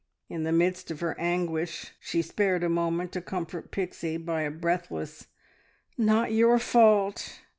In the midst of her anguish she spared a moment to comfort Pixie by a breathless "Not your fault!"